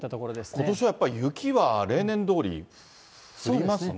ことしはやっぱり、雪は例年どおり降りますね。